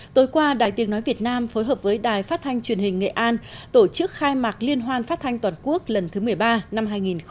tối qua đài tiếng nói việt nam phối hợp với đài phát thanh truyền hình nghệ an tổ chức khai mạc liên hoan phát thanh toàn quốc lần thứ một mươi ba năm hai nghìn hai mươi